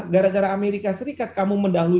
gara gara amerika serikat kamu mendahului